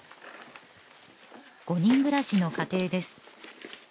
５人暮らしの家庭です